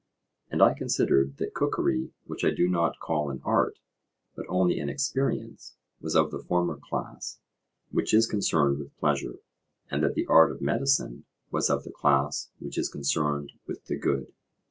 And I considered that cookery, which I do not call an art, but only an experience, was of the former class, which is concerned with pleasure, and that the art of medicine was of the class which is concerned with the good.